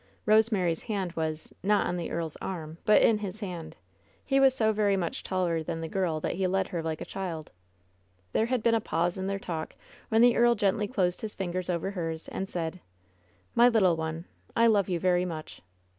Kosemary's hand was — not on the earl's arm — but in his hand. He was so very much taller than the girl that he led her like a child. There had been a pause in their talk, when the earl gently closed his fingers over hers, and said: "My little one, I love you very much."